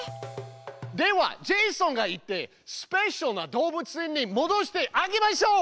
ではジェイソンが行ってスペシャルな動物園にもどしてあげましょう！